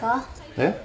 えっ？